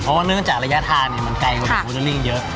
เพราะว่าเนื่องจากระยะทางเนี้ยมันไกลกว่าแบบเยอะ